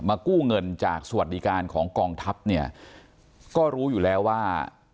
กู้เงินจากสวัสดิการของกองทัพเนี่ยก็รู้อยู่แล้วว่า